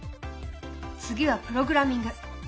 次はプログラミング。